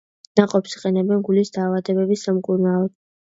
ნაყოფს იყენებენ გულის დაავადებების სამკურნალოდ.